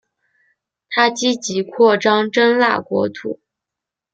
他积极扩张真腊国土。